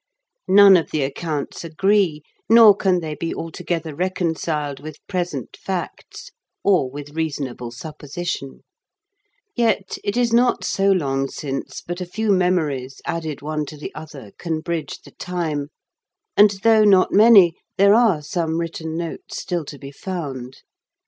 None of the accounts agree, nor can they be altogether reconciled with present facts or with reasonable supposition; yet it is not so long since but a few memories, added one to the other, can bridge the time, and, though not many, there are some written notes still to be found.